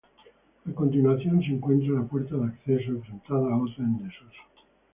A continuación se encuentra la puerta de acceso, enfrentada a otra en desuso.